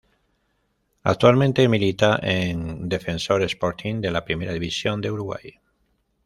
Actualmente milita en Defensor Sporting de la Primera División de Uruguay.